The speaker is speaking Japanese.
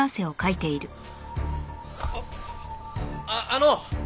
あっあの！